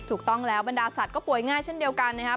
ถูกต้องแล้วบรรดาสัตว์ก็ป่วยง่ายเช่นเดียวกันนะครับ